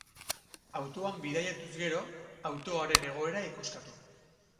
Autoan bidaiatu ez gero, autoaren egoera ikuskatu.